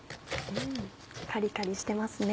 カリカリしてますね。